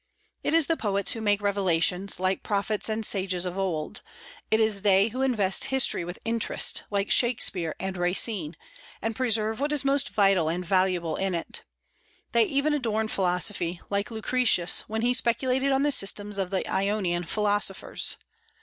It is the poets who make revelations, like prophets and sages of old; it is they who invest history with interest, like Shakspeare and Racine, and preserve what is most vital and valuable in it. They even adorn philosophy, like Lucretius, when he speculated on the systems of the Ionian philosophers.